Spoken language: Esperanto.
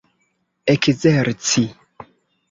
ekzerci